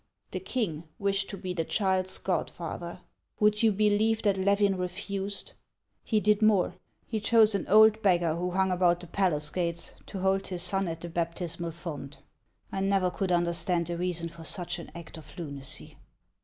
The king wished to be the child's godfather ; would you believe that Levin refused ? He did more ; he chose an old beggar who hung about the palace gates, to hold his son at the baptismal font. I never could understand the reason for such an act of lunacy."